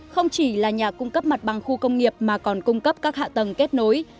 không chỉ là nhà cung cấp mặt bằng khu công nghiệp mà còn cung cấp các hạ tầng kết nối